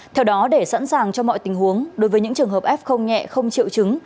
theo đó để sẵn sàng cho mọi tình huống đối với những trường hợp f nhẹ không triệu chứng